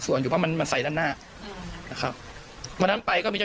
ก็พยายามใส่แต่มันใส่ลำบากมันใส่ไม่ได้